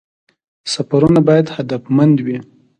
سفرونه باید هدفمند وي